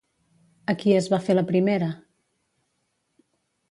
A qui es va fer la primera?